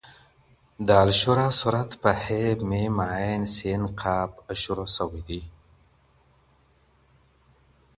د الشورى سورت په {ح. م.ع.س. ق} شروع سوی دی.